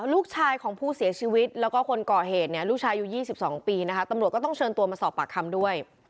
ลูกชายของผู้เสียชีวิตแล้วก็คนก่อเหตุเนี่ยลูกชายอายุ๒๒ปีนะคะตำรวจก็ต้องเชิญตัวมาสอบปากคำด้วย